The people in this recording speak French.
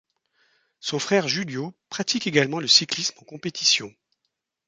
Son frère Julio pratique également le cyclisme en compétition.